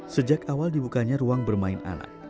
sejak awal dibukanya ruang bermain anak